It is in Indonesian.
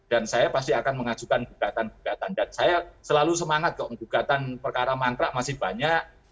dan saya pasti akan mengajukan gugatan gugatan dan saya selalu semangat kok gugatan perkara mangkrak masih banyak